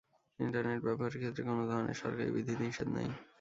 Internet ব্যবহারের ক্ষেত্রে কোন ধরনের সরকারী বিধিনিষেধ নেই।